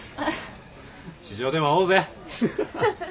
地上でも会おうぜ。